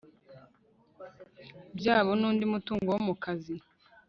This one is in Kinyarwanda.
byabo n undi mutungo wo mu kazi